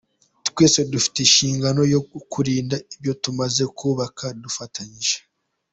Twese dufite inshingano yo kurinda ibyo tumaze kubaka dufatanyije.